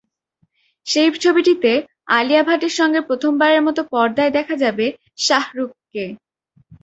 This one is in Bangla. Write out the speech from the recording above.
সেই ছবিটিতে আলিয়া ভাটের সঙ্গে প্রথমবারের মতো পর্দায় দেখা যাবে শাহরুখকে।